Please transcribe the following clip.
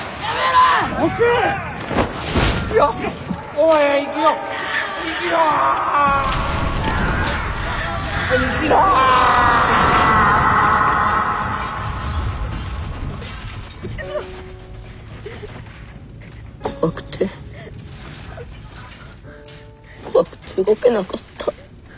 怖くて怖くて動けなかった。